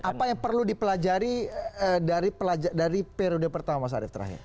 apa yang perlu dipelajari dari periode pertama mas arief terakhir